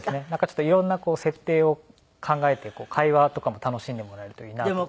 ちょっと色んな設定を考えて会話とかも楽しんでもらえるといいなと。